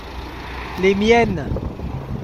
Les miennes.